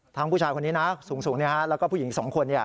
ผู้ชายคนนี้นะสูงแล้วก็ผู้หญิงอีก๒คน